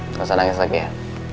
nggak usah nangis lagi ya